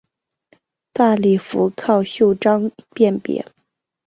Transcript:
大礼服靠袖章辨别。